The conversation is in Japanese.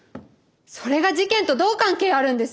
それが事件とどう関係あるんです？